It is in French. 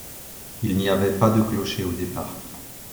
Il n'y avait pas de clocher au départ.